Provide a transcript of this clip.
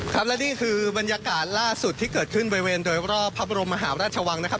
ครับและนี่คือบรรยากาศล่าสุดที่เกิดขึ้นบริเวณโดยรอบพระบรมมหาราชวังนะครับ